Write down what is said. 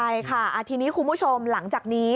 ใช่ค่ะทีนี้คุณผู้ชมหลังจากนี้